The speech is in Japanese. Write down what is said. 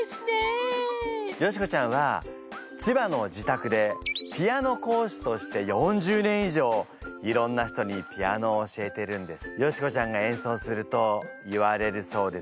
ヨシコちゃんは千葉の自宅でピアノ講師として４０年以上いろんな人にピアノを教えてるんです。